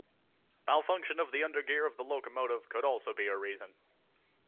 Malfunction of the undergear of the locomotive could also be a reason.